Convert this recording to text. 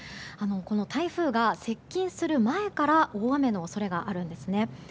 この台風が接近する前から大雨の恐れがあるんですね。